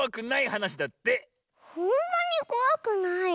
ほんとにこわくない？